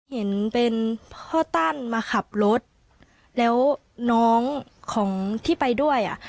เห็นเป็นพ่อตั้นมาขับรถแล้วน้องของที่ไปด้วยอ่ะ